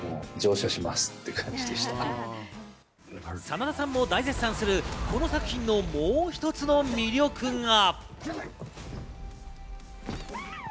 真田さんも大絶賛するこの作品のもう一つの魅力が。